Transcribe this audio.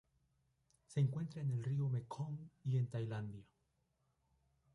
Se encuentra en el río Mekong y en Tailandia.